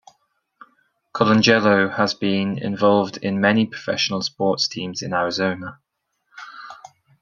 Colangelo has been involved in many professional sports teams in Arizona.